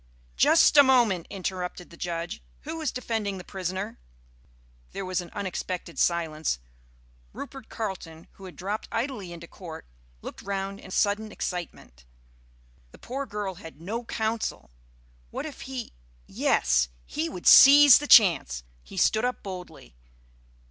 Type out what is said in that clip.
"Just a moment," interrupted the Judge. "Who is defending the prisoner?" There was an unexpected silence. Rupert Carleton, who had dropped idly into court, looked round in sudden excitement. The poor girl had no counsel! What if he yes, he would seize the chance! He stood up boldly.